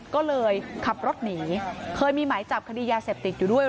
ก็เลยขับรถหนีเคยมีหมายจับคดียาเสพติดอยู่ด้วย